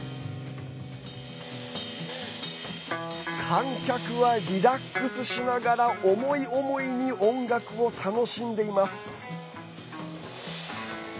観客はリラックスしながら思い思いに音楽を楽しんでいます。